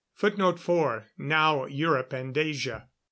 [Footnote 4: Now Europe and Asia.